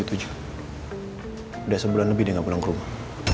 udah sebulan lebih dia nggak pulang kerumah